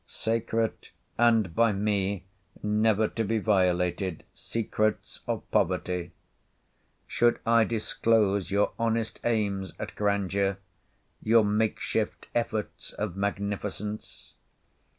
Sacred, and by me, never to be violated, Secrets of Poverty! Should I disclose your honest aims at grandeur, your make shift efforts of magnificence?